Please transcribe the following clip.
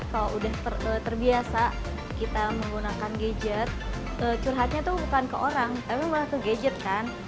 kalau udah terbiasa kita menggunakan gadget curhatnya tuh bukan ke orang tapi malah ke gadget kan